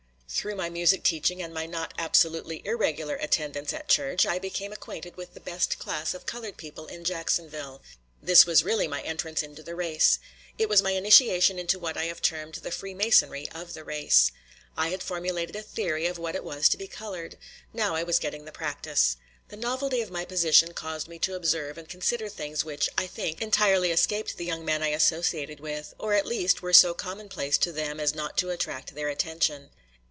Through my music teaching and my not absolutely irregular attendance at church, I became acquainted with the best class of colored people in Jacksonville. This was really my entrance into the race. It was my initiation into what I have termed the freemasonry of the race. I had formulated a theory of what it was to be colored; now I was getting the practice. The novelty of my position caused me to observe and consider things which, I think, entirely escaped the young men I associated with; or, at least, were so commonplace to them as not to attract their attention.